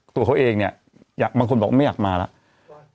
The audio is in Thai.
ตัวเขาเองเนี่ยบางคนบอกว่าไม่อยากมาแล้ว